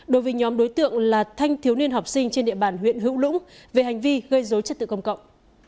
đối với nhóm đối tượng là thanh thiếu niên học sinh trên địa bàn huyện hữu lũng về hành vi gây dối trật tự công cộng